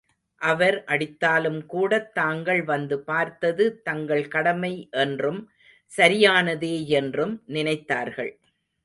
அவர் அடித்தாலும் கூடத் தாங்கள் வந்து பார்த்தது தங்கள் கடமை என்றும் சரியானதே யென்றும் நினைத்தார்கள்.